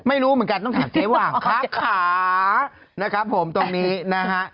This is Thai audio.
ไม่รู้เหมือนกันต้องถามเจ๊หว่างครับขานะครับผมตรงนี้นะฮะ